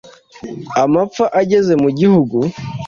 amapfa ageze mu gihugu